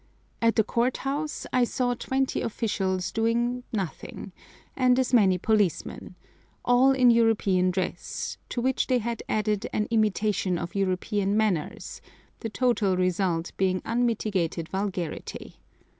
At the Court House I saw twenty officials doing nothing, and as many policemen, all in European dress, to which they had added an imitation of European manners, the total result being unmitigated vulgarity.